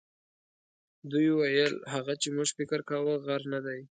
دوی ویل هغه چې موږ فکر کاوه غر نه دی.